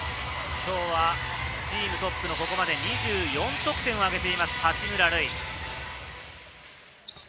今日はチームトップの、ここまで２４得点を挙げている八村塁。